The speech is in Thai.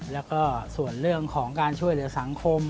แล้วก็ส่วนเรื่องของการช่วยเหลือสังคม